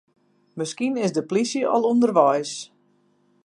Miskien is de plysje al ûnderweis.